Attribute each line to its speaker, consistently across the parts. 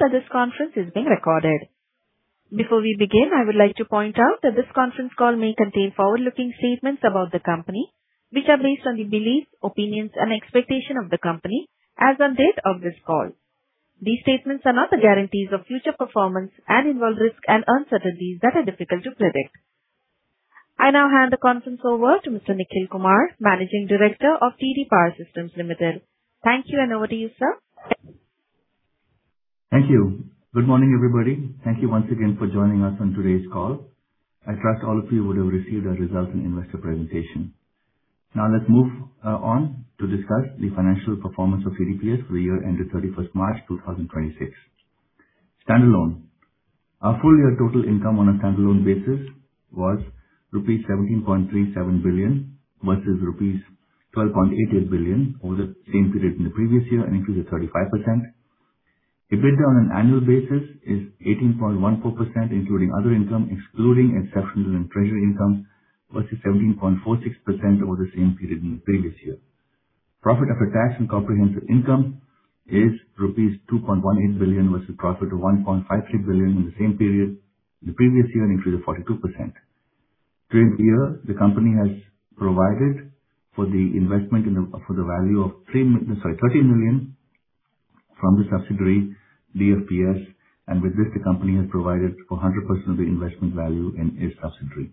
Speaker 1: That this conference is being recorded. Before we begin, I would like to point out that this conference call may contain forward-looking statements about the company, which are based on the beliefs, opinions, and expectations of the company as on date of this call. These statements are not the guarantees of future performance and involve risks and uncertainties that are difficult to predict. I now hand the conference over to Mr. Nikhil Kumar, Managing Director of TD Power Systems Limited. Thank you, and over to you, sir.
Speaker 2: Thank you. Good morning, everybody. Thank you once again for joining us on today's call. I trust all of you would have received our results and investor presentation. Let's move on to discuss the financial performance of TDPS for the year ended 31st March 2026. Standalone. Our full year total income on a standalone basis was rupees 17.37 billion versus rupees 12.88 billion over the same period in the previous year, an increase of 35%. EBITDA on an annual basis is 18.14%, including other income, excluding exceptional and treasury income, versus 17.46% over the same period in the previous year. Profit after tax and comprehensive income is rupees 2.18 billion versus a profit of 1.53 billion in the same period the previous year, an increase of 42%. During the year, the company has provided for the investment for the value of 30 million from the subsidiary DFPS, and with this, the company has provided for 100% of the investment value in its subsidiary.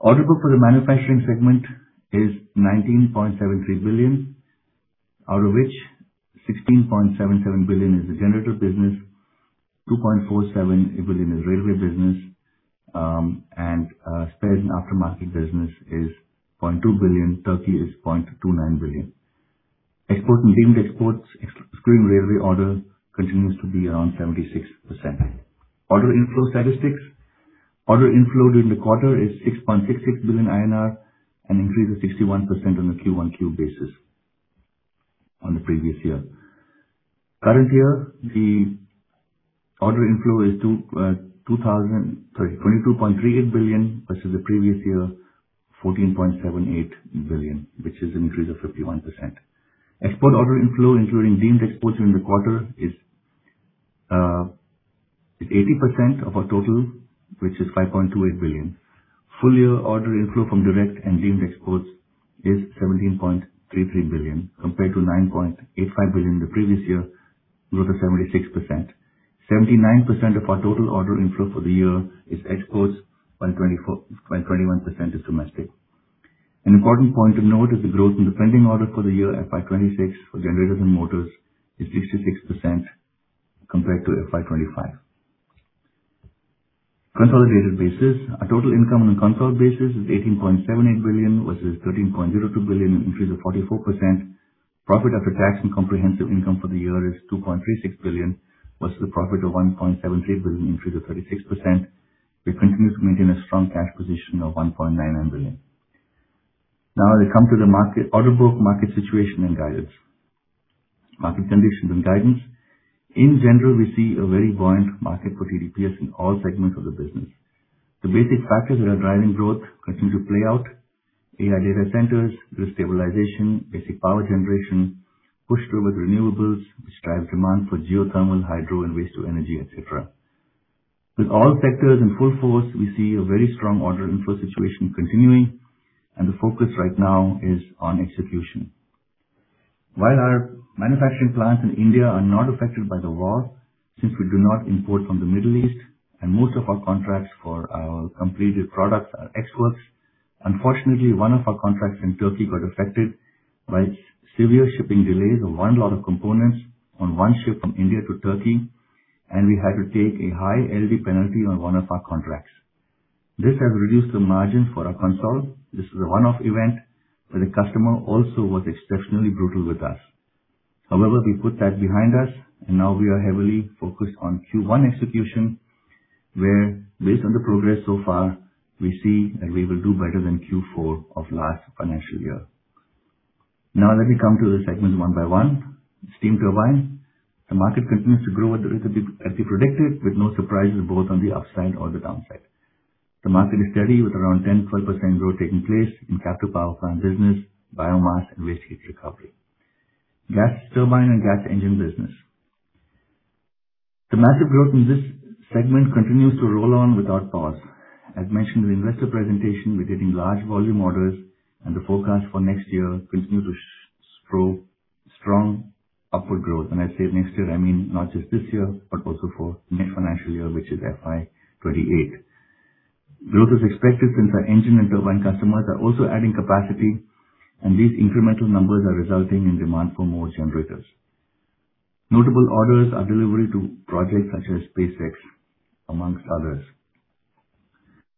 Speaker 2: Order book for the manufacturing segment is 19.73 billion, out of which 16.77 billion is the generator business, 2.47 billion is railway business, and spares and aftermarket business is 0.2 billion, Turkey is 0.29 billion. Exports and deemed exports, excluding railway order, continues to be around 76%. Order inflow statistics. Order inflow during the quarter is 6.66 billion INR, an increase of 61% on a Q1Q basis on the previous year. Current year, the order inflow is 22.38 billion versus the previous year, 14.78 billion, which is an increase of 51%. Export order inflow, including deemed exports during the quarter, is 80% of our total, which is 5.28 billion. Full year order inflow from direct and deemed exports is 17.33 billion compared to 9.85 billion in the previous year, growth of 76%. 79% of our total order inflow for the year is exports, while 21% is domestic. An important point to note is the growth in the pending order for the year FY 2026 for generators and motors is 66% compared to FY 2025. Consolidated basis. Our total income on a consolidated basis is 18.78 billion versus 13.02 billion, an increase of 44%. Profit after tax and comprehensive income for the year is 2.36 billion, versus the profit of 1.73 billion, an increase of 36%. We continue to maintain a strong cash position of 1.99 billion. We come to the order book, market situation, and guidance. Market conditions and guidance. In general, we see a very buoyant market for TDPS in all segments of the business. The basic factors that are driving growth continue to play out. AI data centers, grid stabilization, basic power generation, push towards renewables, which drive demand for geothermal, hydro and waste to energy, et cetera. With all sectors in full force, we see a very strong order inflow situation continuing, and the focus right now is on execution. While our manufacturing plants in India are not affected by the war, since we do not import from the Middle East and most of our contracts for our completed products are Ex Works, unfortunately, one of our contracts in Turkey got affected by severe shipping delays of one lot of components on one ship from India to Turkey, and we had to take a high LD penalty on one of our contracts. This has reduced the margin for our contract. This is a one-off event, the customer also was exceptionally brutal with us. However, we put that behind us, and now we are heavily focused on Q1 execution, where based on the progress so far, we see that we will do better than Q4 of last financial year. Now let me come to the segments one by one. Steam turbine. The market continues to grow as we predicted, with no surprises both on the upside or the downside. The market is steady with around 10%, 12% growth taking place in captive power plant business, biomass, and waste heat recovery. Gas turbine and gas engine business. The massive growth in this segment continues to roll on without pause. As mentioned in the investor presentation, we are getting large volume orders, and the forecast for next year continues to show strong upward growth. I say next year, I mean not just this year, but also for next financial year, which is FY 2028. Growth is expected since our engine and turbine customers are also adding capacity, and these incremental numbers are resulting in demand for more generators. Notable orders are delivery to projects such as SpaceX, amongst others.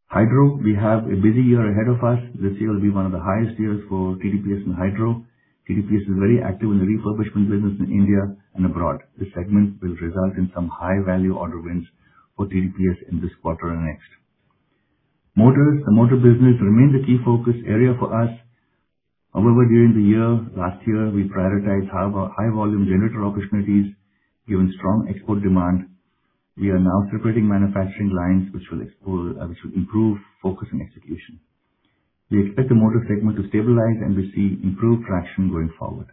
Speaker 2: Hydro. We have a busy year ahead of us. This year will be one of the highest years for TDPS in hydro. TDPS is very active in the refurbishment business in India and abroad. This segment will result in some high-value order wins for TDPS in this quarter and next. Motors. The motor business remains a key focus area for us. However, during the year, last year, we prioritized high volume generator opportunities given strong export demand. We are now separating manufacturing lines, which will improve focus and execution. We expect the motor segment to stabilize, we see improved traction going forward.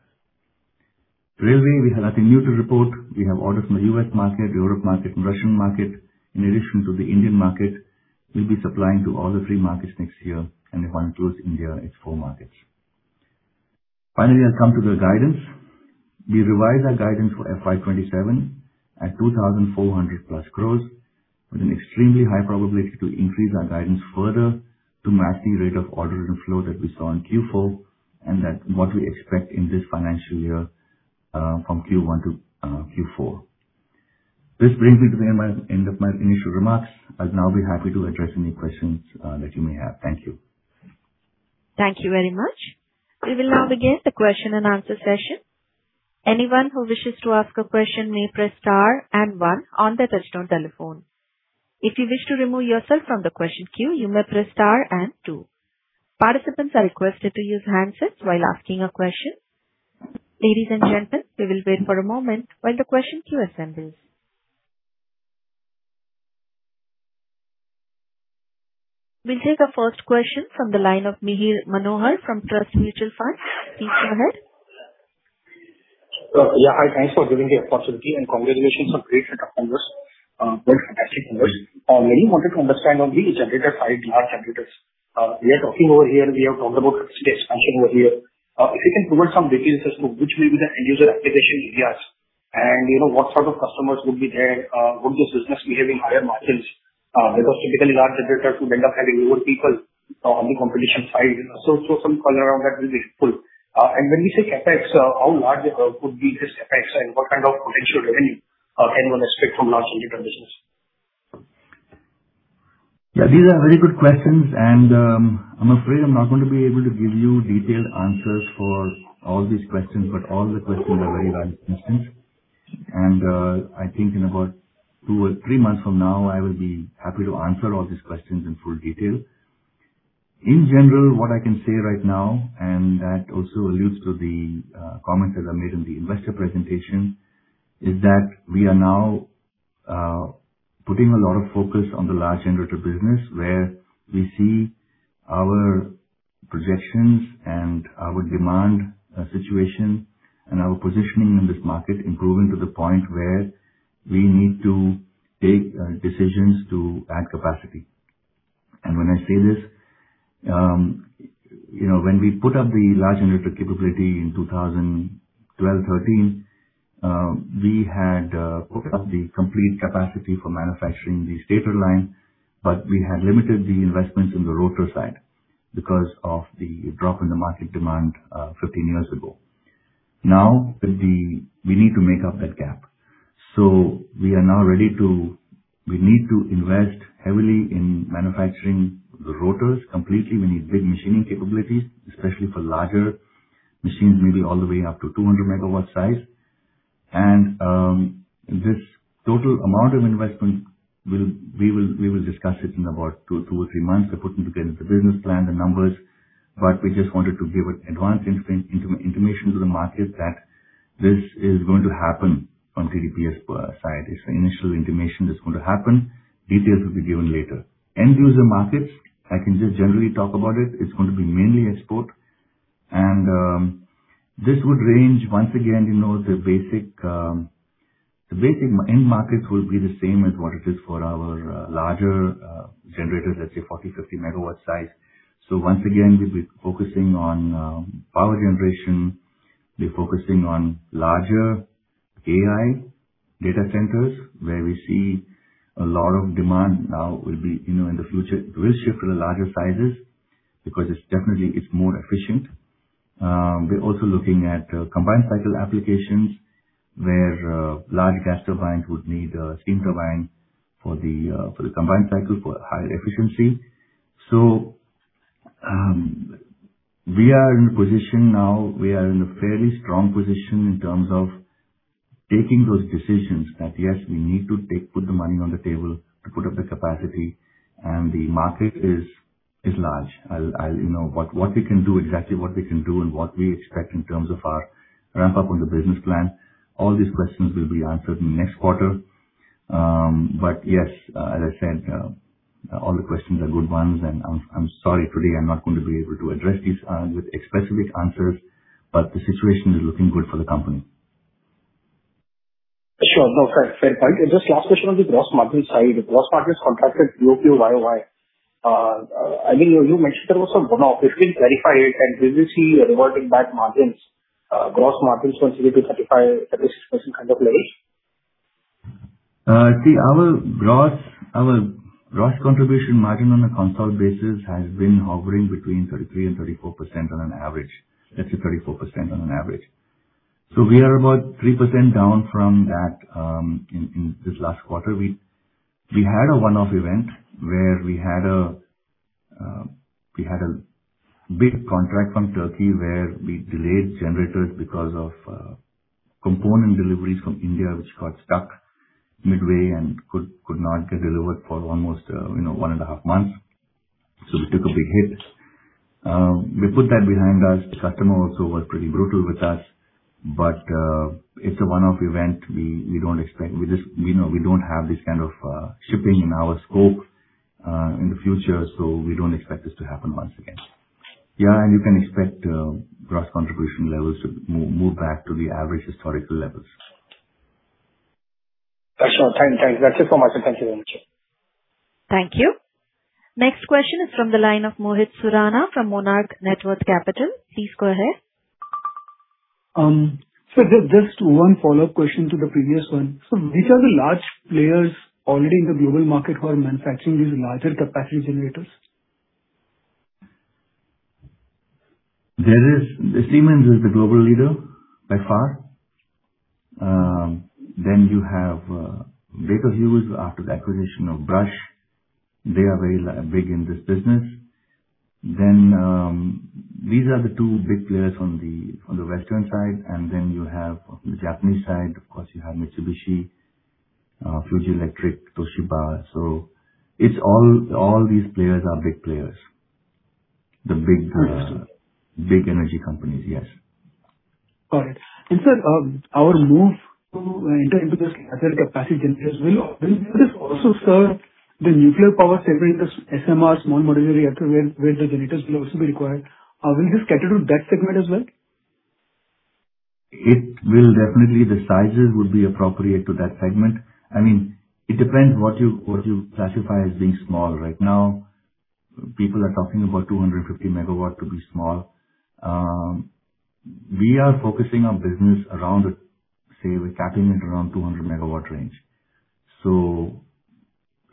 Speaker 2: Railway, we have nothing new to report. We have orders from the U.S. market, Europe market, and Russian market. In addition to the Indian market, we will be supplying to all the three markets next year, and if one includes India, it is four markets. Finally, I come to the guidance. We revise our guidance for FY 2027 at 2,400 plus growth, with an extremely high probability to increase our guidance further to match the rate of order inflow that we saw in Q4, and that what we expect in this financial year from Q1 to Q4. This brings me to the end of my initial remarks. I will now be happy to address any questions that you may have. Thank you.
Speaker 1: Thank you very much. We will now begin the question and answer session. Anyone who wishes to ask a question may press star and one on their touchtone telephone. If you wish to remove yourself from the question queue, you may press star and two. Participants are requested to use handsets while asking a question. Ladies and gentlemen, we will wait for a moment while the question queue assembles. We'll take the first question from the line of Mihir Manohar from Trust Mutual Fund. Please go ahead.
Speaker 3: Yeah. Hi, thanks for giving the opportunity. Congratulations on great set of numbers. Well, fantastic numbers. Mainly wanted to understand only the generator side, large generators. We are talking over here, we have talked about capacity expansion over here. If you can provide some details as to which will be the end user application areas, and what sort of customers would be there. Would those business be having higher margins? Typically large generators would end up having more people on the competition side. Some color around that will be helpful. When we say CapEx, how large would be this CapEx and what kind of potential revenue can one expect from large generator business?
Speaker 2: Yeah, these are very good questions. I'm afraid I'm not going to be able to give you detailed answers for all these questions, all the questions are very valid questions. I think in about two or three months from now, I will be happy to answer all these questions in full detail. In general, what I can say right now, that also alludes to the comments that I made in the investor presentation, is that we are now putting a lot of focus on the large generator business where we see our projections and our demand situation and our positioning in this market improving to the point where we need to take decisions to add capacity. When I say this, when we put up the large generator capability in 2012, 2013, we had put up the complete capacity for manufacturing the stator line, we had limited the investments in the rotor side because of the drop in the market demand 15 years ago. Now, we need to make up that gap. We are now ready to invest heavily in manufacturing the rotors completely. We need big machining capabilities, especially for larger machines, maybe all the way up to 200 megawatt size. This total amount of investment, we will discuss it in about two or three months to put into place the business plan, the numbers. We just wanted to give an advance intimation to the market that this is going to happen from TDPS side. It's the initial intimation that's going to happen. Details will be given later. End user markets, I can just generally talk about it. It's going to be mainly export. This would range once again, the basic end markets will be the same as what it is for our larger generators, let's say 40, 50 megawatt size. Once again, we'll be focusing on power generation. We're focusing on larger AI data centers where we see a lot of demand now will be in the future. It will shift to the larger sizes because it's definitely more efficient. We're also looking at combined cycle applications where large gas turbines would need a steam turbine for the combined cycle for higher efficiency. We are in a position now, we are in a fairly strong position in terms of taking those decisions that, yes, we need to put the money on the table to put up the capacity, and the market is large. What we can do, exactly what we can do and what we expect in terms of our ramp-up on the business plan, all these questions will be answered in the next quarter. Yes, as I said, all the questions are good ones, and I'm sorry today I'm not going to be able to address these with specific answers, but the situation is looking good for the company.
Speaker 3: Sure. No, fair point. Just last question on the gross margin side. Gross margin has contracted year-over-year, why? You mentioned there was a one-off. If we clarify it, will we see a reverting back margins, gross margins going to say 35%-36% kind of range?
Speaker 2: Our gross contribution margin on a consult basis has been hovering between 33%-34% on an average. Let's say 34% on an average. We are about 3% down from that in this last quarter. We had a one-off event where we had a big contract from Turkey where we delayed generators because of component deliveries from India, which got stuck midway and could not get delivered for almost one and a half months. We took a big hit. We put that behind us. The customer also was pretty brutal with us. It's a one-off event. We don't have this kind of shipping in our scope in the future, we don't expect this to happen once again. You can expect gross contribution levels to move back to the average historical levels.
Speaker 3: Sure. Thanks. That's it from my side. Thank you very much.
Speaker 1: Thank you. Next question is from the line of Mohit Surana from Monarch Networth Capital. Please go ahead.
Speaker 4: Sir, just one follow-up question to the previous one. Sir, these are the large players already in the global market who are manufacturing these larger capacity generators.
Speaker 2: Siemens is the global leader by far. You have Baker Hughes after the acquisition of Brush. They are very big in this business. These are the two big players on the western side, and then you have on the Japanese side, of course, you have Mitsubishi, Fuji Electric, Toshiba. All these players are big players.
Speaker 4: Got it, sir.
Speaker 2: The big energy companies, yes.
Speaker 4: Got it. Sir, our move to enter into this larger capacity generators, will this also serve the nuclear power segment, the SMR, small modular reactor, where the generators will also be required. Will this cater to that segment as well?
Speaker 2: It will definitely, the sizes would be appropriate to that segment. It depends what you classify as being small. Right now, people are talking about 250 megawatt to be small. We are focusing our business around, say, we're capping it around 200 megawatt range.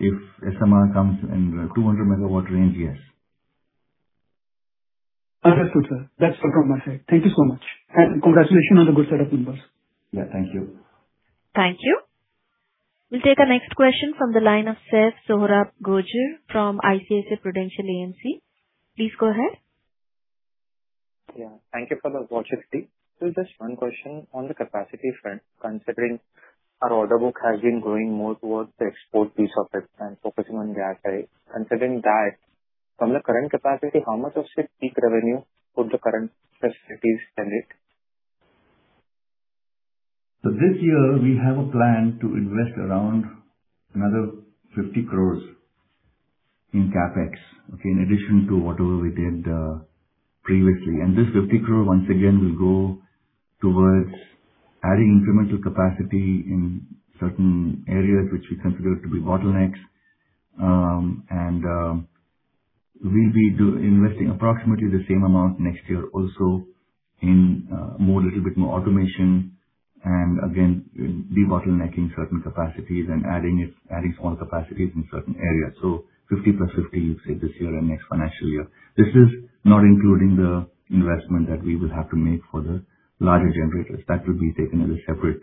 Speaker 2: If SMR comes in 200 megawatt range, yes.
Speaker 4: That's good, sir. That's all from my side. Thank you so much. Congratulations on the good set of numbers.
Speaker 2: Yeah, thank you.
Speaker 1: Thank you. We'll take the next question from the line of Seth Sohrab Gojer from ICICI Prudential AMC. Please go ahead.
Speaker 5: Yeah. Thank you for the opportunity. Sir, just one question on the capacity front, considering our order book has been growing more towards the export piece of it and focusing on gas side. Considering that, from the current capacity, how much of it peak revenue could the current capacities handle it?
Speaker 2: This year, we have a plan to invest around another 50 crore in CapEx. Okay? In addition to whatever we did previously. This 50 crore, once again, will go towards adding incremental capacity in certain areas which we consider to be bottlenecks. We'll be investing approximately the same amount next year also in a little bit more automation and again, debottlenecking certain capacities and adding small capacities in certain areas. 50 plus 50, say, this year and next financial year. This is not including the investment that we will have to make for the larger generators. That will be taken as a separate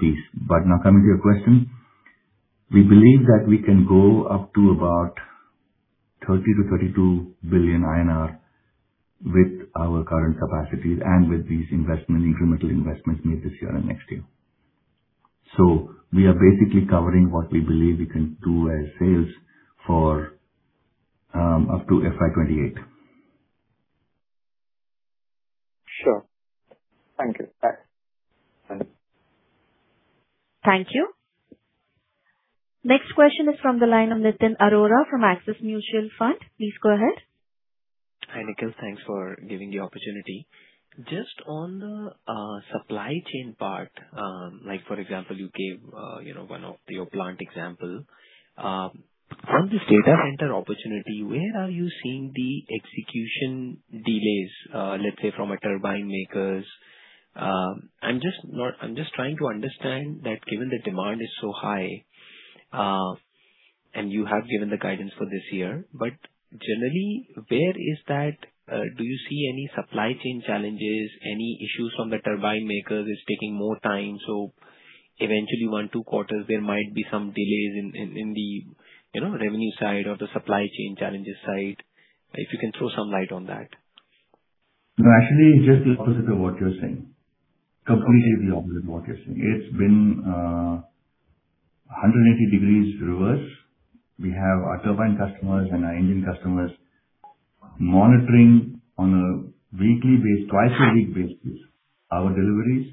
Speaker 2: piece. Now coming to your question, we believe that we can go up to about 30 billion-32 billion INR with our current capacities and with these incremental investments made this year and next year. We are basically covering what we believe we can do as sales for up to FY 2028.
Speaker 5: Sure. Thank you. Bye.
Speaker 1: Thank you. Next question is from the line of Nitin Arora from Axis Mutual Fund. Please go ahead.
Speaker 6: Hi, Nikhil. Thanks for giving the opportunity. Just on the supply chain part, like for example, you gave one of your plant example. From this data center opportunity, where are you seeing the execution delays, let's say from a turbine makers? I'm just trying to understand that given the demand is so high, you have given the guidance for this year, generally, do you see any supply chain challenges, any issues from the turbine makers it's taking more time, so eventually one, two quarters, there might be some delays in the revenue side or the supply chain challenges side? If you can throw some light on that.
Speaker 2: Actually, it's just the opposite of what you're saying. Completely the opposite of what you're saying. It's been 180 degrees reverse. We have our turbine customers and our engine customers monitoring on a weekly base, twice a week basis, our deliveries,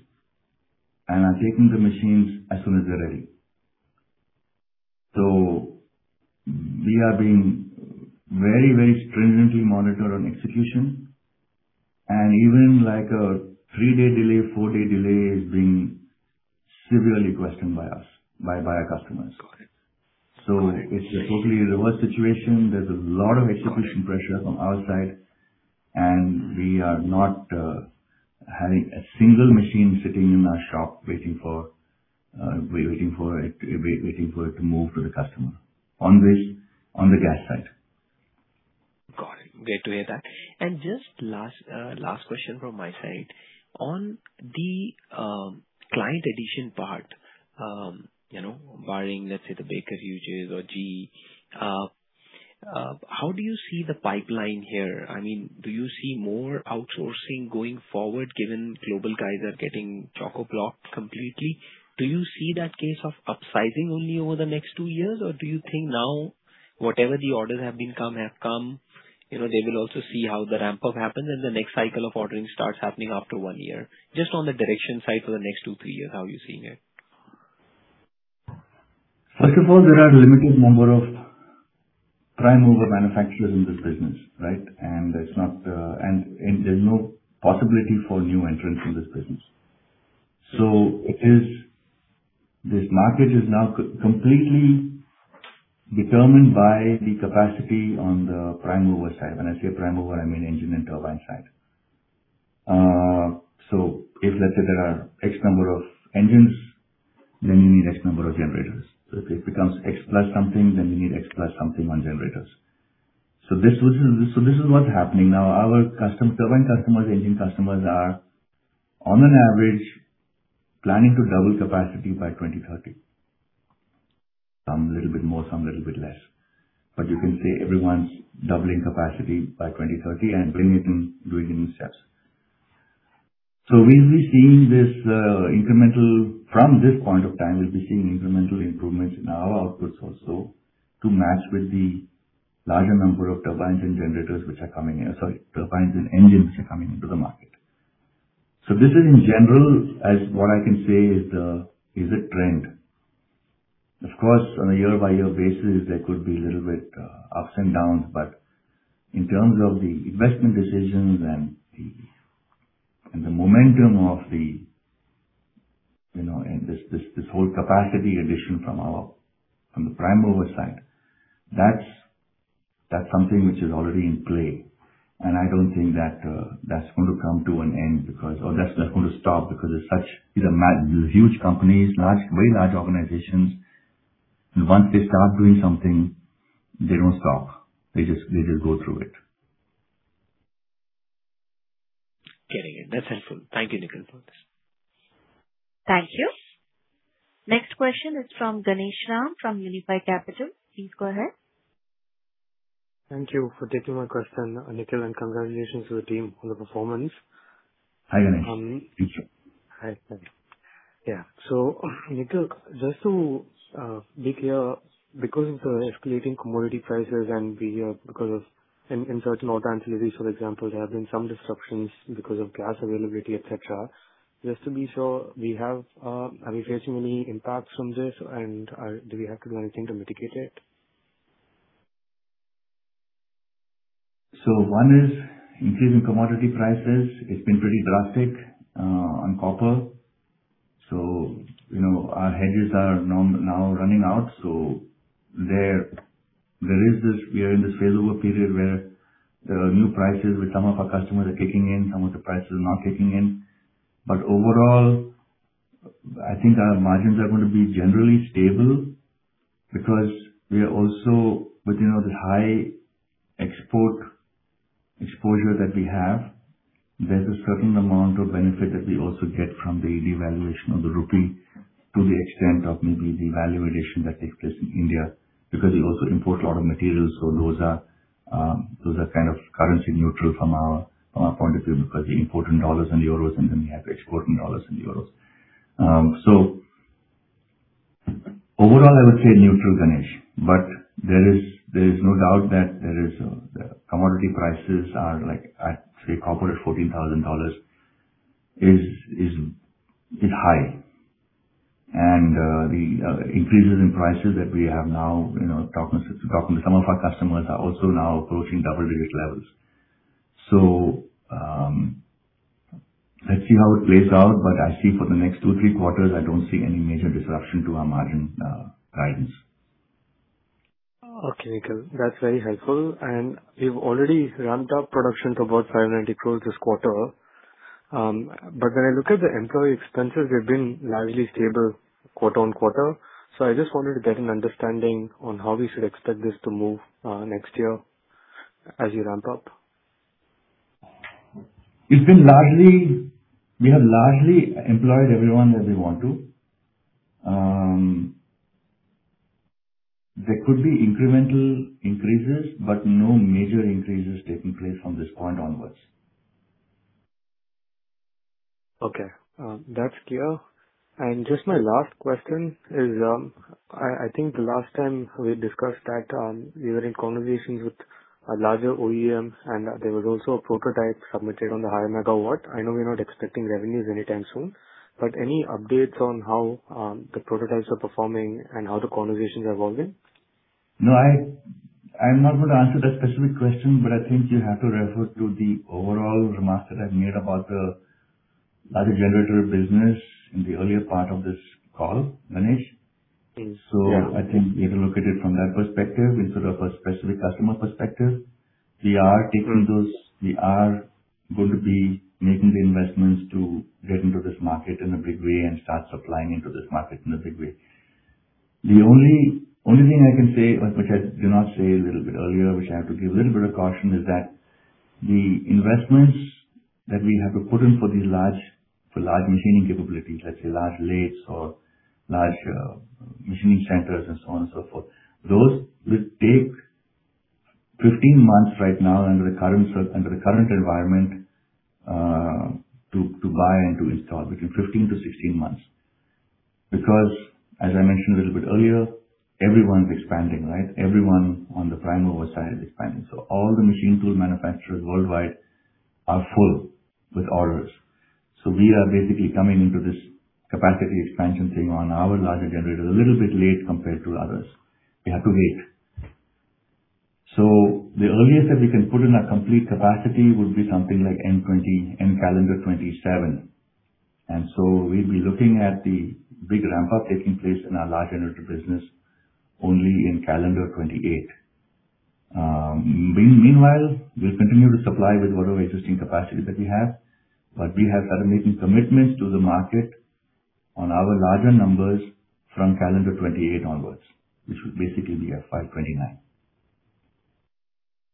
Speaker 2: are taking the machines as soon as they're ready. We are being very, very stringently monitored on execution. Even like a three-day delay, four-day delay is being severely questioned by us, by our customers.
Speaker 6: Got it.
Speaker 2: It's a totally reverse situation. There's a lot of execution pressure from our side, and we are not having a single machine sitting in our shop waiting for it to move to the customer. On the gas side.
Speaker 6: Got it. Great to hear that. Just last question from my side. On the client addition part, barring, let's say, the Baker Hughes or GE, how do you see the pipeline here? Do you see more outsourcing going forward given global guys are getting chock-a-blocked completely? Do you see that case of upsizing only over the next two years, or do you think now Whatever the orders have been come, have come. They will also see how the ramp-up happens and the next cycle of ordering starts happening after one year. Just on the direction side for the next two, three years, how are you seeing it?
Speaker 2: First of all, there are a limited number of prime mover manufacturers in this business, right? There's no possibility for new entrants in this business. This market is now completely determined by the capacity on the prime mover side. When I say prime mover, I mean engine and turbine side. If, let's say there are X number of engines, then you need X number of generators. If it becomes X plus something, then you need X plus something on generators. This is what's happening now. Our turbine customers, engine customers are, on an average, planning to double capacity by 2030. Some a little bit more, some a little bit less. But you can say everyone's doubling capacity by 2030 and bringing it in, doing it in steps. From this point of time, we'll be seeing incremental improvements in our outputs also to match with the larger number of turbines and generators which are coming in. Sorry, turbines and engines which are coming into the market. This is in general, as what I can say is a trend. Of course, on a year-by-year basis, there could be little bit ups and downs, but in terms of the investment decisions and the momentum of this whole capacity addition from the prime mover side, that's something which is already in play. I don't think that's going to come to an end because Or that's not going to stop because these are huge companies, very large organizations. Once they start doing something, they don't stop. They just go through it.
Speaker 6: Getting it. That's helpful. Thank you, Nikhil, for this.
Speaker 1: Thank you. Next question is from Ganesh Rajagopalan, from Unifi Capital. Please go ahead.
Speaker 7: Thank you for taking my question, Nikhil, and congratulations to the team for the performance.
Speaker 2: Hi, Ganesh. How are you?
Speaker 7: Hi. Thank you. Yeah. Nikhil, just to be clear, because of the escalating commodity prices and because of in certain alternatives, for example, there have been some disruptions because of gas availability, et cetera. Just to be sure, are we facing any impacts from this, and do we have to do anything to mitigate it?
Speaker 2: One is increasing commodity prices. It's been pretty drastic on copper. Our hedges are now running out. We are in this phase over period where there are new prices which some of our customers are taking in, some of the prices are not taking in. Overall, I think our margins are going to be generally stable because with the high export exposure that we have, there's a certain amount of benefit that we also get from the devaluation of the rupee to the extent of maybe the valuation that takes place in India. We also import a lot of materials, those are kind of currency neutral from our point of view because we import in dollars and euros and then we have to export in dollars and euros. Overall, I would say neutral, Ganesh. There is no doubt that the commodity prices are like at, say, copper at $14,000 is high. The increases in prices that we have now, talking to some of our customers, are also now approaching double-digit levels. Let's see how it plays out, but I see for the next two, three quarters, I don't see any major disruption to our margin guidance.
Speaker 7: Okay, Nikhil, that's very helpful. You've already ramped up production to about 590 crores this quarter. When I look at the employee expenses, they've been largely stable quarter-on-quarter. I just wanted to get an understanding on how we should expect this to move next year as you ramp up.
Speaker 2: We have largely employed everyone that we want to. There could be incremental increases, but no major increases taking place from this point onwards.
Speaker 7: Okay. That's clear. Just my last question is, I think last time we discussed that you were in conversations with a larger OEM and there was also a prototype submitted on the higher megawatt. I know we're not expecting revenues anytime soon, but any updates on how the prototypes are performing and how the conversations are evolving?
Speaker 2: No, I'm not going to answer that specific question, but I think you have to refer to the overall remarks that I've made about the larger generator business in the earlier part of this call, Ganesh.
Speaker 7: Yes.
Speaker 2: I think you have to look at it from that perspective instead of a specific customer perspective. We are going to be making the investments to get into this market in a big way and start supplying into this market in a big way. The only thing I can say, which I did not say a little bit earlier, which I have to give a little bit of caution, is that the investments that we have to put in for these large machining capabilities, let's say large lathes or large machining centers and so on and so forth, those will take 15 months right now under the current environment to buy and to install. Between 15-16 months. As I mentioned a little bit earlier, everyone's expanding, right? Everyone on the prime mover side is expanding. All the machine tool manufacturers worldwide are full with orders. We are basically coming into this capacity expansion thing on our larger generator a little bit late compared to others. We have to wait. The earliest that we can put in a complete capacity would be something like in calendar 2027. We'll be looking at the big ramp-up taking place in our large generator business only in calendar 2028. Meanwhile, we'll continue to supply with whatever existing capacity that we have. We have started making commitments to the market on our larger numbers from calendar 2028 onwards, which would basically be FY 2029.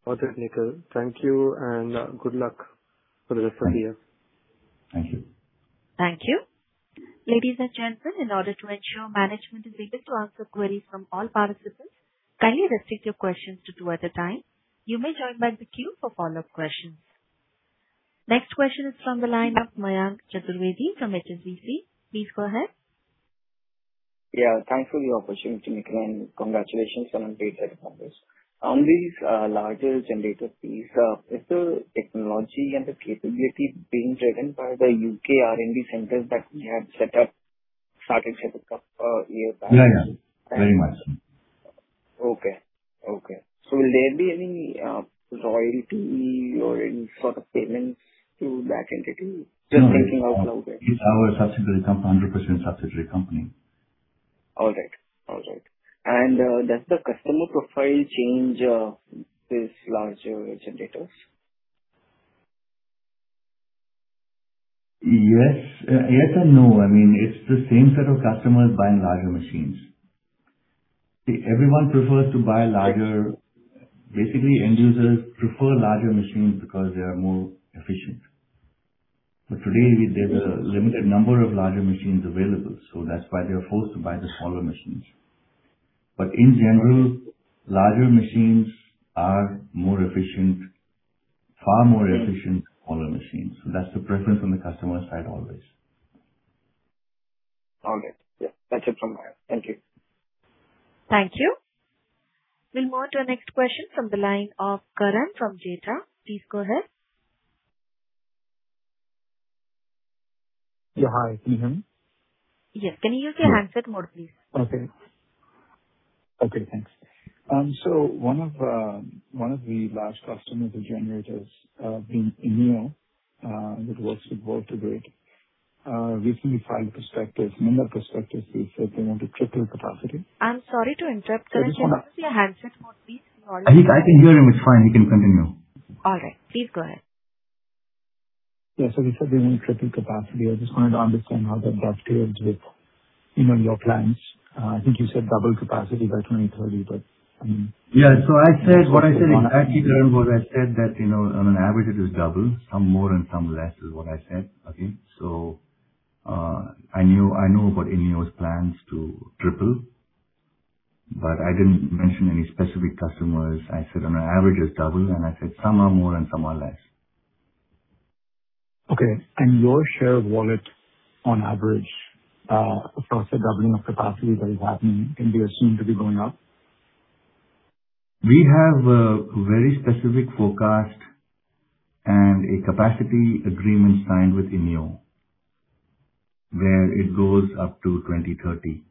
Speaker 7: Got it, Nikhil. Thank you, and good luck for the rest of the year.
Speaker 2: Thank you.
Speaker 1: Thank you. Ladies and gentlemen, in order to ensure management is able to answer queries from all participants, kindly restrict your questions to two at a time. You may join back the queue for follow-up questions. Next question is from the line of Mayank Chaturvedi from HDFC. Please go ahead.
Speaker 8: Yeah, thanks for the opportunity, Nikhil, and congratulations on the big set of numbers. On these larger generator piece, is the technology and the capability being driven by the U.K. R&D centers that we had started setting up a year back?
Speaker 2: Yeah. Very much.
Speaker 8: Okay. Will there be any royalty or any sort of payments to that entity? Just thinking out loud there.
Speaker 2: It's our 100% subsidiary company.
Speaker 8: All right. Does the customer profile change with larger generators?
Speaker 2: Yes and no. It's the same set of customers buying larger machines. See, everyone prefers to buy larger. Basically, end users prefer larger machines because they are more efficient. Today, there is a limited number of larger machines available. That's why they are forced to buy the smaller machines. In general, larger machines are more efficient, far more efficient than smaller machines. That's the preference on the customer side always.
Speaker 8: All right. Yeah. That's it from my end. Thank you.
Speaker 1: Thank you. We'll move to our next question from the line of Karan from Jetha Global. Please go ahead.
Speaker 9: Yeah. Hi, can you hear me?
Speaker 1: Yes. Can you use your handset mode, please?
Speaker 9: Okay. Thanks. One of the large customers of generators, Innio, that works with VoltaGrid, recently filed a number of perspectives. They said they want to triple capacity.
Speaker 1: I'm sorry to interrupt, Karan. Can you use your handset mode, please?
Speaker 2: I can hear him. It's fine. He can continue.
Speaker 1: All right. Please go ahead.
Speaker 9: You said they want to triple capacity. I just wanted to understand how that dovetails with your plans. I think you said double capacity by 2030.
Speaker 2: What I said exactly, Karan, was I said that on an average it is double. Some more and some less is what I said. Okay? I know about Innio's plans to triple, but I didn't mention any specific customers. I said on an average it's double, and I said some are more and some are less.
Speaker 9: Okay. Your share of wallet on average across the doubling of capacity that is happening can be assumed to be going up?
Speaker 2: We have a very specific forecast and a capacity agreement signed with Innio, where it goes up to 2030.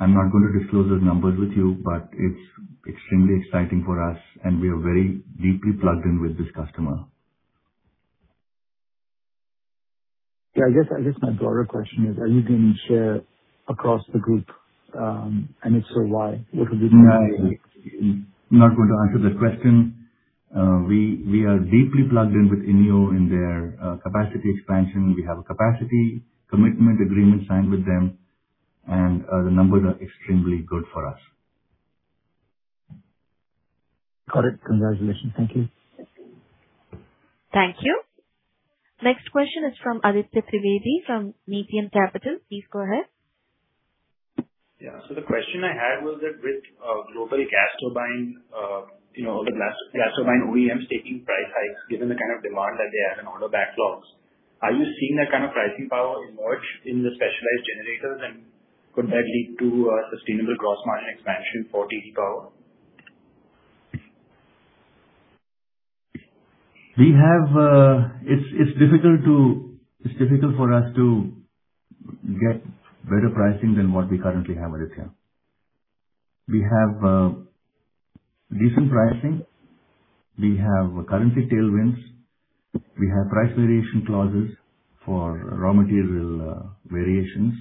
Speaker 2: I'm not going to disclose those numbers with you, but it's extremely exciting for us, and we are very deeply plugged in with this customer.
Speaker 9: Yeah. I guess my broader question is, are you gaining share across the group? If so, why?
Speaker 2: No. I'm not going to answer that question. We are deeply plugged in with Innio in their capacity expansion. We have a capacity commitment agreement signed with them, and the numbers are extremely good for us.
Speaker 9: Got it. Congratulations. Thank you.
Speaker 1: Thank you. Next question is from Aditya Trivedi from Nepean Capital. Please go ahead.
Speaker 10: The question I had was that with global gas turbine, all the gas turbine OEMs taking price hikes, given the kind of demand that they have and order backlogs, are you seeing that kind of pricing power emerge in the specialized generators? Could that lead to a sustainable gross margin expansion for TD Power?
Speaker 2: It's difficult for us to get better pricing than what we currently have, Aditya. We have decent pricing. We have currency tailwinds. We have price variation clauses for raw material variations.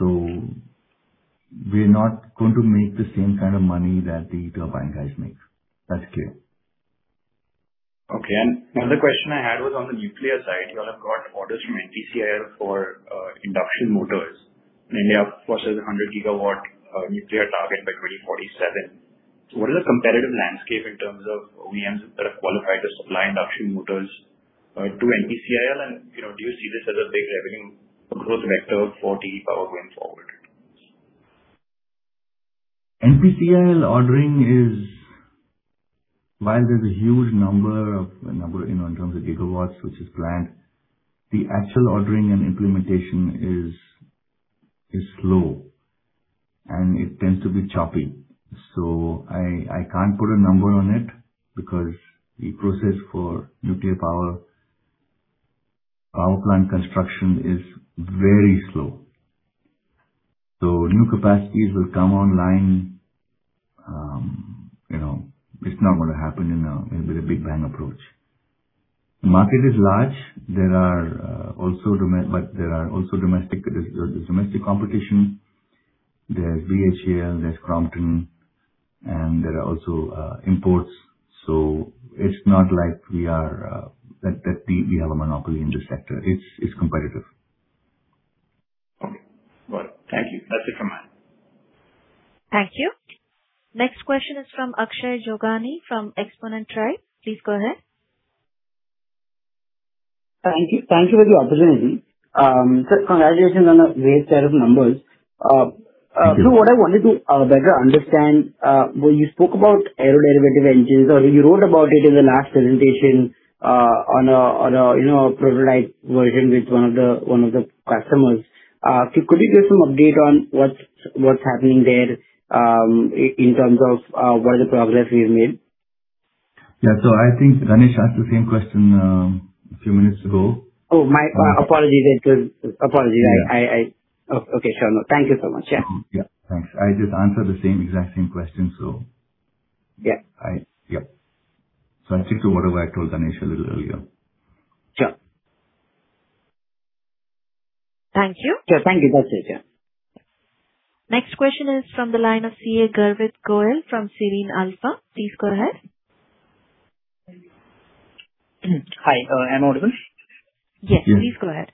Speaker 2: We're not going to make the same kind of money that the turbine guys make. That's clear.
Speaker 10: Okay. Another question I had was on the nuclear side. You all have got orders from NPCIL for induction motors. India proposes 100 GW nuclear target by 2047. What is the competitive landscape in terms of OEMs that have qualified to supply induction motors to NPCIL and do you see this as a big revenue growth vector for TD Power going forward?
Speaker 2: NPCIL ordering is, while there's a huge number in terms of GW, which is planned, the actual ordering and implementation is slow, and it tends to be choppy. I can't put a number on it because the process for nuclear power plant construction is very slow. New capacities will come online. It's not going to happen in a big bang approach. Market is large. There are also domestic competition. There's BHEL, there's Crompton, and there are also imports. It's not like we have a monopoly in this sector. It's competitive.
Speaker 10: Okay. Got it. Thank you. That's it from my end.
Speaker 1: Thank you. Next question is from Akshay Jogani from Xponent Tribe. Please go ahead.
Speaker 11: Thank you for the opportunity. Sir, congratulations on the great set of numbers. What I wanted to better understand, when you spoke about aeroderivative engines or you wrote about it in the last presentation on a prototype version with one of the customers. Could you give some update on what's happening there, in terms of what is the progress we've made?
Speaker 2: Yeah. I think Ganesh asked the same question a few minutes ago.
Speaker 11: Oh, my apologies. Okay, sure. No, thank you so much. Yeah.
Speaker 2: Yeah. Thanks. I just answered the same exact question.
Speaker 11: Yeah.
Speaker 2: I'll stick to whatever I told Ganesh a little earlier.
Speaker 11: Sure.
Speaker 1: Thank you.
Speaker 11: Sure. Thank you. That's it. Yeah.
Speaker 1: Next question is from the line of CA Garvit Goyal from Serene Alpha. Please go ahead.
Speaker 12: Hi. Am I audible?
Speaker 1: Yes, please go ahead.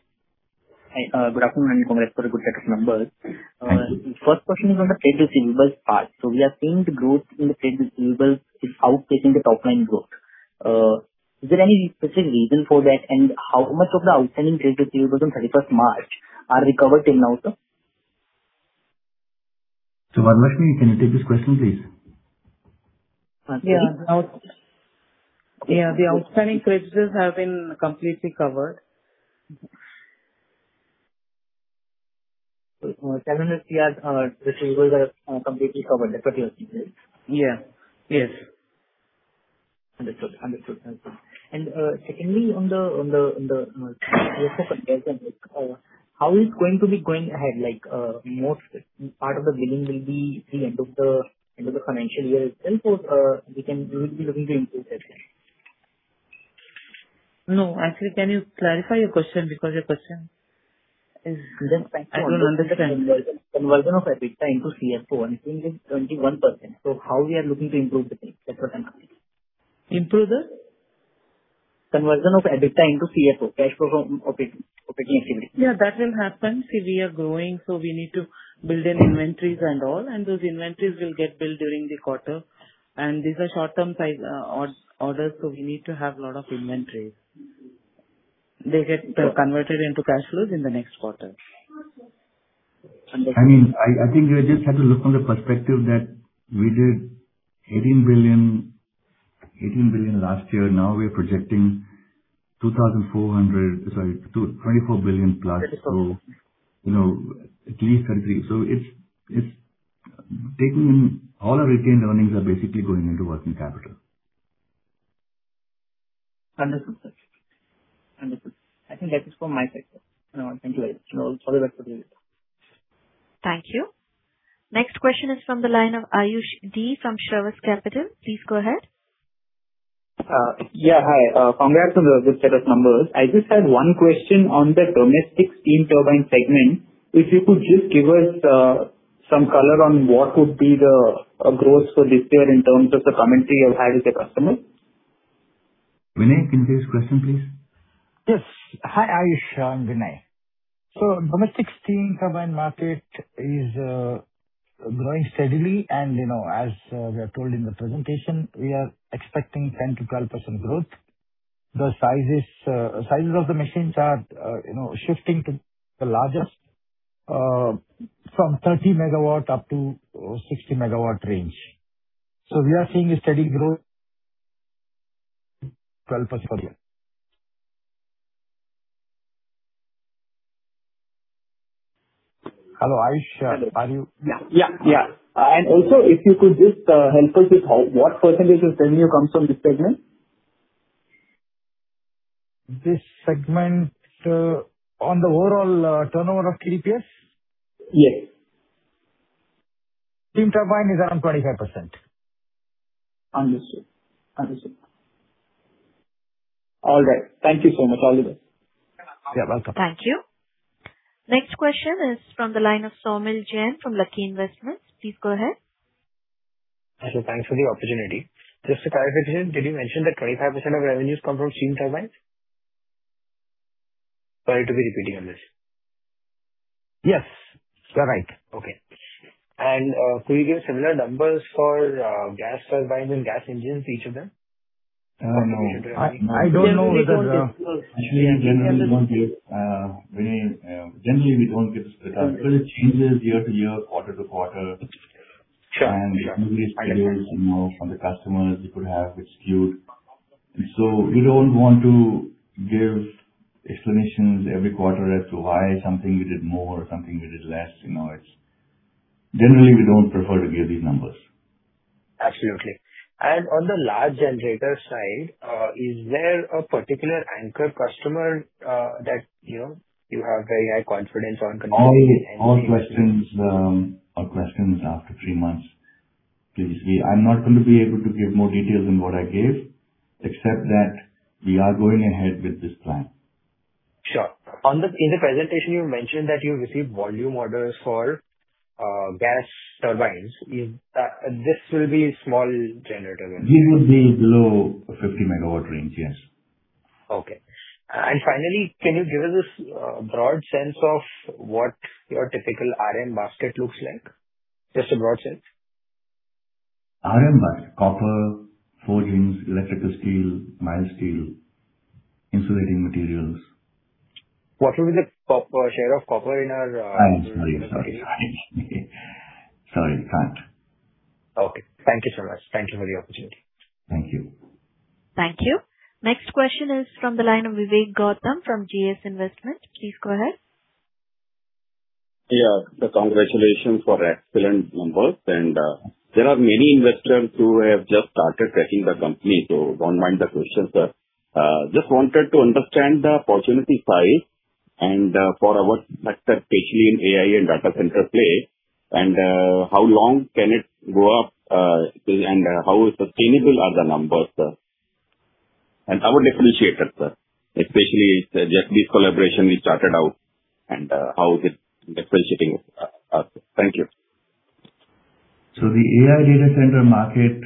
Speaker 12: Hi, good afternoon and congrats for the good set of numbers.
Speaker 2: Thank you.
Speaker 12: First question is on the trade receivables part. We are seeing the growth in the trade receivables is outpacing the top-line growth. Is there any specific reason for that? How much of the outstanding trade receivables on 31st March are recovered till now, sir?
Speaker 2: Varshini, can you take this question, please?
Speaker 13: The outstanding credits have been completely covered.
Speaker 12: INR 7 crores receivables are completely covered. Is that what you are saying?
Speaker 13: Yeah. Yes.
Speaker 12: Understood. Secondly, on the cash flow conversion, how is it going to be going ahead? Most part of the billing will be the end of the financial year itself, or we will be looking to improve that?
Speaker 13: No. Actually, can you clarify your question?
Speaker 12: I'm just trying to understand.
Speaker 13: I don't understand
Speaker 12: conversion of EBITDA into CFO. I am seeing it 21%. How we are looking to improve the cash flow conversion?
Speaker 13: Improve the?
Speaker 12: Conversion of EBITDA into CFO, cash flow operating activity.
Speaker 13: Yeah, that will happen. See, we are growing, so we need to build inventories and all, and those inventories will get built during the quarter. These are short-term size orders, so we need to have lot of inventory. They get converted into cash flows in the next quarter.
Speaker 12: Understood.
Speaker 2: I think we just have to look from the perspective that we did 18 billion last year. Now we are projecting 24 billion plus. All our retained earnings are basically going into working capital.
Speaker 12: Understood, sir. I think that is from my side, sir. Thank you very much, and all the best for the future.
Speaker 1: Thank you. Next question is from the line of Ayush D. from Shravas Capital. Please go ahead.
Speaker 14: Yes. Hi. Congrats on the good set of numbers. I just had one question on the domestic steam turbine segment. If you could just give us some color on what would be the growth for this year in terms of the commentary you had with the customers.
Speaker 2: Vinay, can you take this question, please?
Speaker 15: Yes. Hi, Ayush. I am Vinay. Domestic steam turbine market is growing steadily and as we have told in the presentation, we are expecting 10%-12% growth. The sizes of the machines are shifting to the largest, from 30 megawatt up to 60 megawatt range. We are seeing a steady growth, 12% plus per year.
Speaker 2: Hello, Ayush.
Speaker 14: Yeah. If you could just help us with what % of revenue comes from this segment?
Speaker 15: This segment on the overall turnover of TDPS?
Speaker 14: Yes.
Speaker 15: Steam turbine is around 25%.
Speaker 14: Understood. All right. Thank you so much. All the best.
Speaker 15: Yeah, welcome.
Speaker 1: Thank you. Next question is from the line of Somil Jain from Lucky Investments. Please go ahead.
Speaker 16: Somil, thanks for the opportunity. Just to clarify, sir, did you mention that 25% of revenues come from steam turbines? Sorry to be repeating on this.
Speaker 2: Yes, you're right.
Speaker 16: Okay. Could you give similar numbers for gas turbines and gas engines, each of them?
Speaker 2: I don't know whether-
Speaker 13: Actually, generally, we don't give the target because it changes year-to-year, quarter-to-quarter.
Speaker 16: Sure.
Speaker 2: Usually schedules from the customers could have skewed. We don't want to give explanations every quarter as to why something we did more or something we did less. Generally, we don't prefer to give these numbers.
Speaker 16: Absolutely. On the large generator side, is there a particular anchor customer that you have very high confidence on.
Speaker 2: All questions after three months, please. I'm not going to be able to give more details than what I gave, except that we are going ahead with this plan.
Speaker 16: Sure. In the presentation, you mentioned that you received volume orders for gas turbines. This will be small generator then?
Speaker 2: These will be below 50 MW range, yes.
Speaker 16: Okay. Finally, can you give us a broad sense of what your typical RM basket looks like? Just a broad sense.
Speaker 2: RM basket. Copper, forgings, electrical steel, mild steel, insulating materials.
Speaker 16: What will be the share of copper in our-
Speaker 2: I'm sorry. Sorry, can't.
Speaker 16: Okay. Thank you so much. Thank you for the opportunity.
Speaker 2: Thank you.
Speaker 1: Thank you. Next question is from the line of Vivek Gautam from GS Investment. Please go ahead.
Speaker 17: Yeah. Congratulations for excellent numbers. There are many investors who have just started tracking the company, so don't mind the questions. Just wanted to understand the opportunity size and for our sector, especially in AI and data center play. How long can it go up, and how sustainable are the numbers? Our differentiator, especially this collaboration we started out, and how is it differentiating us? Thank you.
Speaker 2: The AI data center market,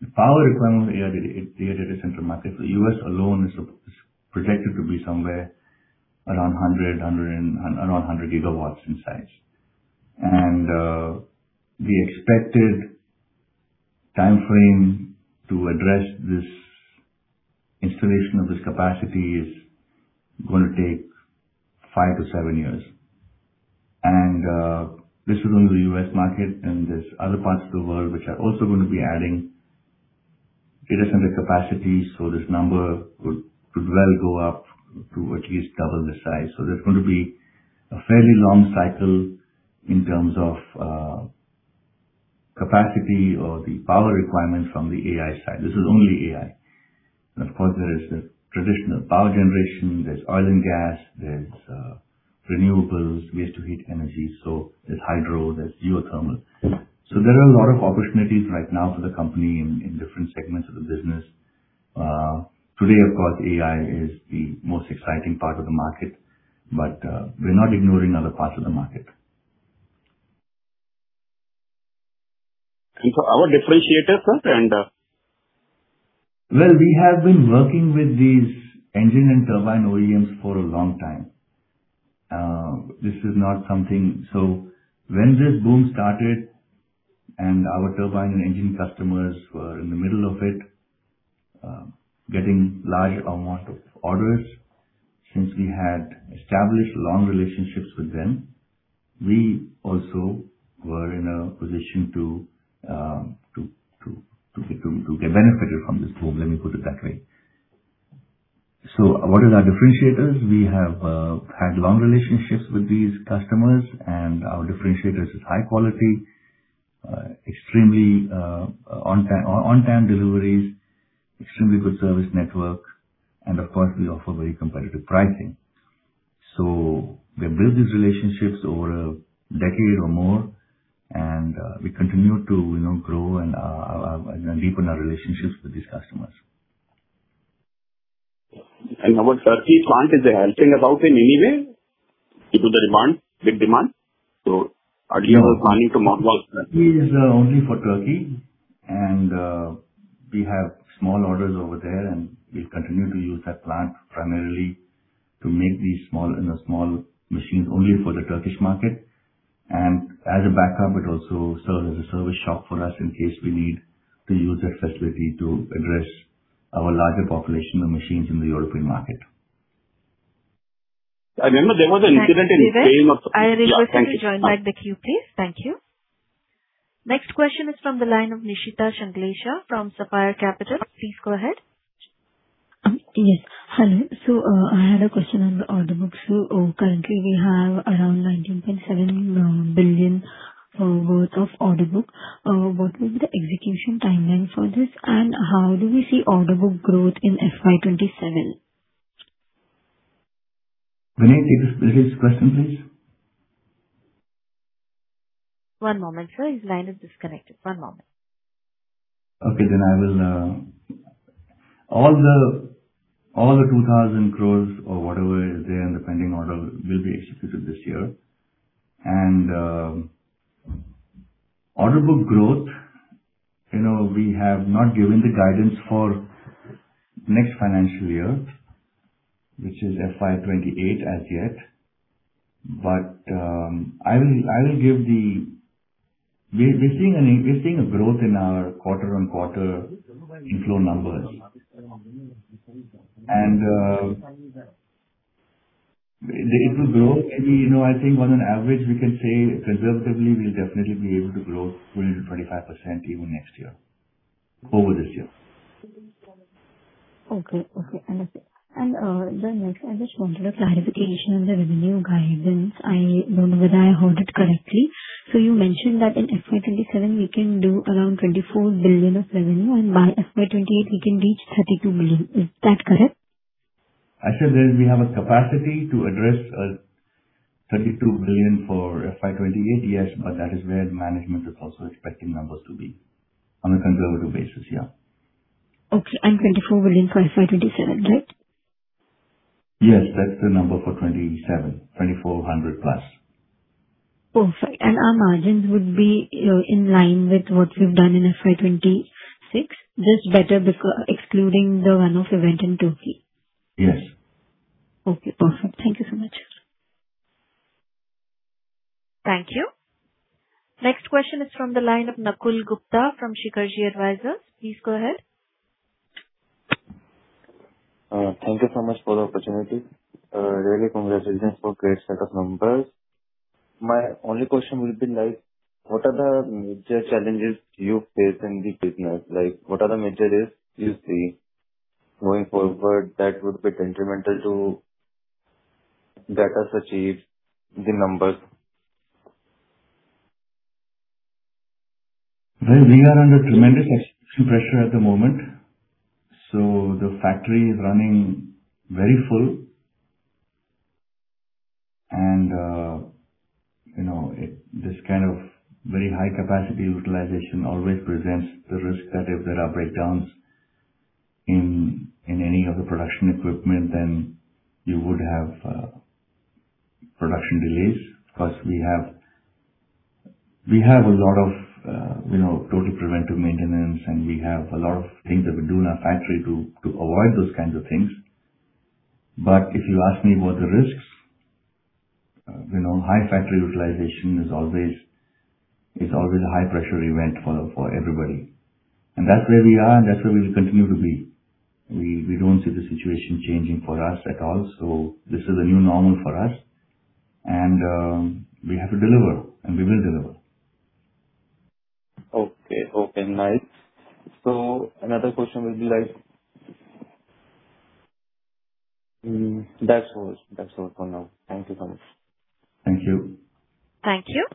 Speaker 2: the power requirement of the AI data center market for U.S. alone is projected to be somewhere around 100 gigawatts in size. The expected timeframe to address this installation of this capacity is going to take five to seven years. This is only the U.S. market, and there's other parts of the world which are also going to be adding data center capacity. This number could well go up to at least double the size. There's going to be a fairly long cycle in terms of capacity or the power requirements from the AI side. This is only AI. Of course, there is the traditional power generation. There's oil and gas, there's renewables, waste-to-heat energy. There's hydro, there's geothermal.
Speaker 17: Yeah.
Speaker 2: There are a lot of opportunities right now for the company in different segments of the business. Today, of course, AI is the most exciting part of the market, we're not ignoring other parts of the market.
Speaker 17: For our differentiator, sir,
Speaker 2: We have been working with these engine and turbine OEMs for a long time. This is not something. When this boom started and our turbine and engine customers were in the middle of it, getting large amount of orders. Since we had established long relationships with them, we also were in a position to get benefited from this boom, let me put it that way. What is our differentiators? We have had long relationships with these customers, and our differentiators is high quality, on-time deliveries, extremely good service network, of course, we offer very competitive pricing. We built these relationships over a decade or more, we continue to grow and deepen our relationships with these customers.
Speaker 17: Our Turkey plant, is it helping out in any way due to the demand, big demand? Are you planning to mark out
Speaker 2: Turkey is only for Turkey, and we have small orders over there, and we continue to use that plant primarily to make these small machines only for the Turkish market. As a backup, it also serves as a service shop for us in case we need to use that facility to address our larger population of machines in the European market.
Speaker 17: I remember there was an incident
Speaker 13: Thank you, Vivek. I request that you join back the queue, please. Thank you. Next question is from the line of Nishita Shanklesha from Sapphire Capital. Please go ahead.
Speaker 18: Yes. Hello. I had a question on the order books. Currently we have around 19.7 billion worth of order book. What will be the execution timeline for this, and how do we see order book growth in FY 2027?
Speaker 2: Vineet, take this question, please.
Speaker 13: One moment, sir. His line is disconnected. One moment.
Speaker 2: Okay. All the 2,000 crores or whatever is there in the pending order will be executed this year. Order book growth. We have not given the guidance for next financial year, which is FY 2028 as yet. We're seeing a growth in our quarter-on-quarter inflow numbers. The growth, I think on an average, we can say conservatively, we'll definitely be able to grow 20%-25% even next year over this year.
Speaker 18: Okay. Understood. Next, I just wanted a clarification on the revenue guidance. I don't know whether I heard it correctly. You mentioned that in FY 2027 we can do around 24 billion of revenue and by FY 2028 we can reach 32 billion. Is that correct?
Speaker 2: I said that we have a capacity to address 32 billion for FY 2028. Yes, that is where management is also expecting numbers to be on a conservative basis.
Speaker 18: Okay. 24 billion for FY 2027, right?
Speaker 2: Yes. That's the number for 2027, 2,400 plus.
Speaker 18: Perfect. Our margins would be in line with what we've done in FY 2026, just better because excluding the one-off event in Turkey?
Speaker 2: Yes.
Speaker 18: Okay, perfect. Thank you so much.
Speaker 1: Thank you. Next question is from the line of Nakul Gupta from Shikha Ji Advisors. Please go ahead.
Speaker 19: Thank you so much for the opportunity. Really congratulations for great set of numbers. My only question will be, what are the major challenges you face in the business? What are the major risks you see going forward that would be detrimental to better achieve the numbers?
Speaker 2: We are under tremendous execution pressure at the moment. The factory is running very full, and this kind of very high capacity utilization always presents the risk that if there are breakdowns in any of the production equipment, then you would have production delays. We have a lot of total preventive maintenance, and we have a lot of things that we do in our factory to avoid those kinds of things. If you ask me about the risks, high factory utilization is always a high pressure event for everybody. That's where we are, and that's where we'll continue to be. We don't see the situation changing for us at all. This is a new normal for us, and we have to deliver, and we will deliver.
Speaker 19: Okay, nice. That's all for now. Thank you so much.
Speaker 2: Thank you.
Speaker 1: Thank you.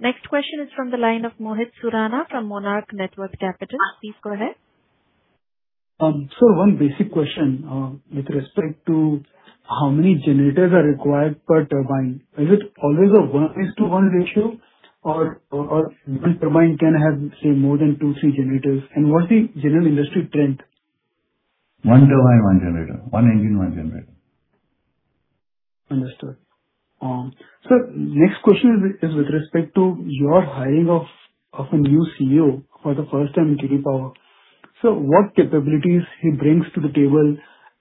Speaker 1: Next question is from the line of Mohit Surana from Monarch Networth Capital. Please go ahead.
Speaker 4: Sir, one basic question with respect to how many generators are required per turbine. Is it always a one is to one ratio or one turbine can have, say, more than two, three generators? What's the general industry trend?
Speaker 2: One turbine, one generator. One engine, one generator.
Speaker 4: Understood. Sir, next question is with respect to your hiring of a new CEO for the first time in TD Power. Sir, what capabilities he brings to the table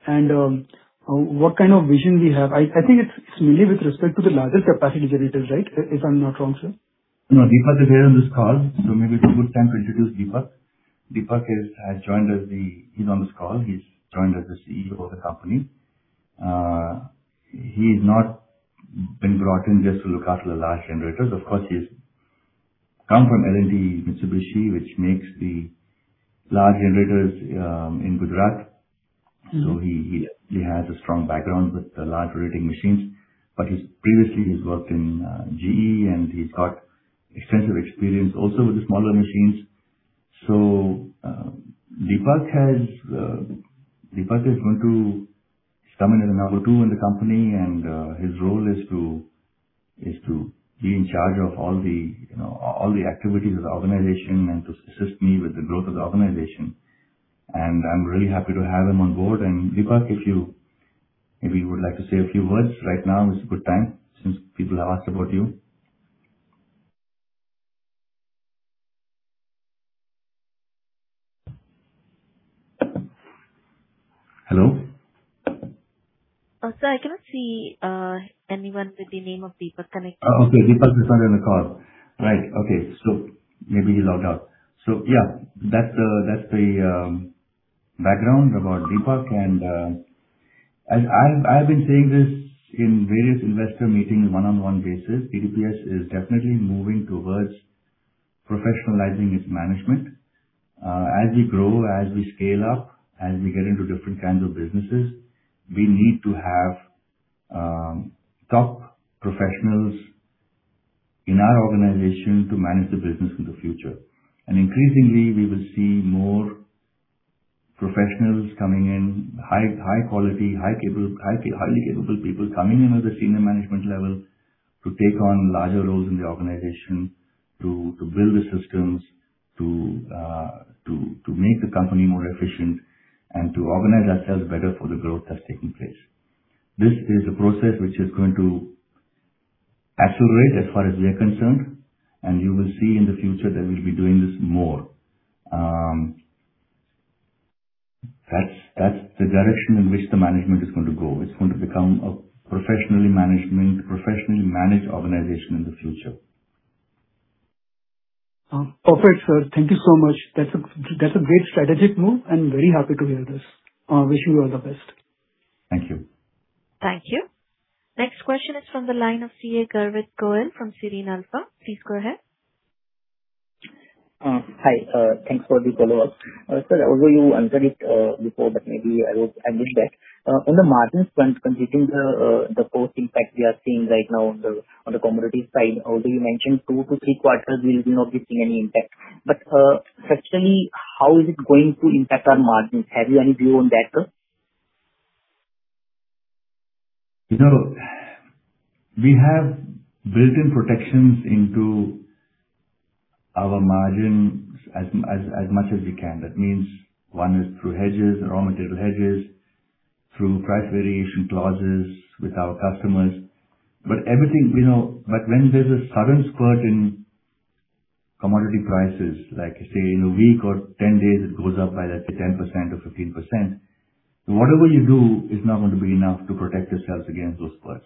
Speaker 4: and what kind of vision we have? I think it's mainly with respect to the larger capacity generators, right? If I'm not wrong, sir.
Speaker 2: No, Deepak is here on this call. Maybe it's a good time to introduce Deepak. Deepak is on this call. He's joined as the CEO of the company. He's not been brought in just to look after the large generators. Of course, he's come from L&T Mitsubishi, which makes the large generators in Gujarat. He has a strong background with the large rotating machines. Previously he has worked in GE, and he has got extensive experience also with the smaller machines. Deepak is going to come in as a number 2 in the company, and his role is to be in charge of all the activities of the organization and to assist me with the growth of the organization. I'm really happy to have him on board. Deepak, if you maybe would like to say a few words right now is a good time since people have asked about you. Hello?
Speaker 18: Sir, I cannot see anyone with the name of Deepak connected.
Speaker 2: Okay, Deepak is not in the call. Right. Okay. Maybe he logged out. That's the background about Deepak. I've been saying this in various investor meetings one-on-one basis. TDPS is definitely moving towards professionalizing its management. As we grow, as we scale up, as we get into different kinds of businesses, we need to have top professionals in our organization to manage the business in the future. Increasingly, we will see more professionals coming in, high quality, highly capable people coming in at the senior management level to take on larger roles in the organization, to build the systems, to make the company more efficient, and to organize ourselves better for the growth that's taking place. This is a process which is going to accelerate as far as we are concerned, and you will see in the future that we'll be doing this more. That's the direction in which the management is going to go. It's going to become a professionally managed organization in the future.
Speaker 4: Perfect, sir. Thank you so much. That's a great strategic move and very happy to hear this. I wish you all the best.
Speaker 2: Thank you.
Speaker 1: Thank you. Next question is from the line of CA Garvit Goel from Serene Alpha. Please go ahead.
Speaker 12: Hi. Thanks for the follow-up. Sir, although you answered it before, maybe I will add this back. On the margins front, considering the cost impact we are seeing right now on the commodity side, although you mentioned two to three quarters we will not be seeing any impact. Structurally, how is it going to impact our margins? Have you any view on that, sir?
Speaker 2: We have built-in protections into our margins as much as we can. That means one is through hedges, raw material hedges, through price variation clauses with our customers. When there's a sudden squirt in commodity prices, like say in a week or 10 days it goes up by let's say 10% or 15%, whatever you do is not going to be enough to protect yourselves against those squirts.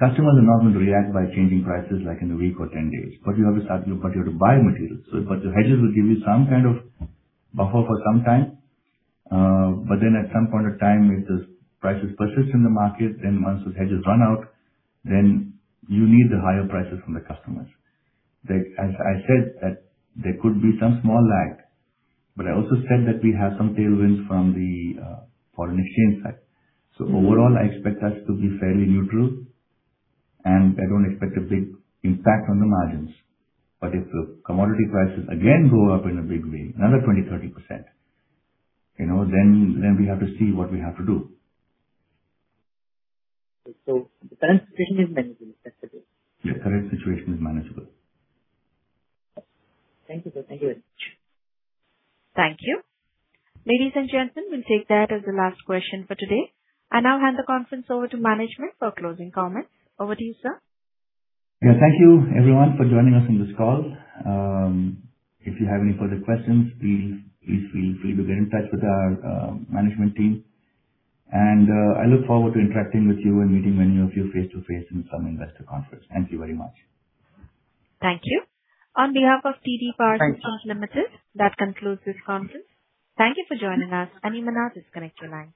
Speaker 2: Customers are not going to react by changing prices like in a week or 10 days. You have to buy materials. The hedges will give you some kind of buffer for some time. At some point of time, if those prices persist in the market, then once those hedges run out, then you need the higher prices from the customers. As I said, there could be some small lag. I also said that we have some tailwinds from the foreign exchange side. Overall, I expect us to be fairly neutral, and I don't expect a big impact on the margins. If the commodity prices again go up in a big way, another 20%, 30%, then we have to see what we have to do.
Speaker 12: The current situation is manageable, that's it?
Speaker 2: The current situation is manageable.
Speaker 12: Thank you, sir. Thank you very much.
Speaker 1: Thank you. Ladies and gentlemen, we'll take that as the last question for today. I now hand the conference over to management for closing comments. Over to you, sir.
Speaker 2: Yeah, thank you everyone for joining us on this call. If you have any further questions, please feel free to get in touch with our management team. I look forward to interacting with you and meeting many of you face-to-face in some investor conference. Thank you very much.
Speaker 1: Thank you. On behalf of TD Power Systems Limited, that concludes this conference. Thank you for joining us. You may now disconnect your lines.